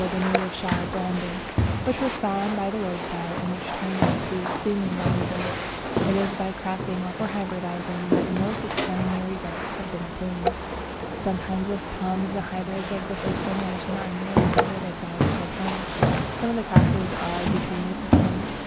the New Rochelle Bramble, which was found by the roadside, and which turned out to be exceedingly valuable. It is by crossing or hybridizing that the most extraordinary results have been obtained. Sometimes with plums, the hybrids of the first generation are nearly double the size of their parents. Some of the crosses are between different plants.